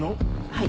はい。